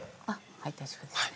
はい大丈夫ですね。